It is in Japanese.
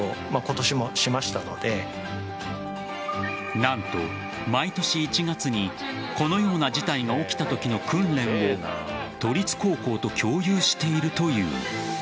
何と毎年１月にこのような事態が起きたときの訓練を都立高校と共有しているという。